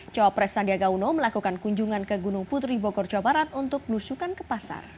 cowopres sandiaga uno melakukan kunjungan ke gunung putri bogor jawa barat untuk belusukan ke pasar